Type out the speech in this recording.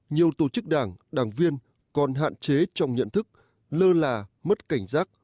nhiều tổ chức đảng đảng viên còn hạn chế trong nhận thức lơ là mất cảnh giác